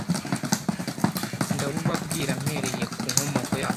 ndabubabwira mpereye ku nkomoko yabwo,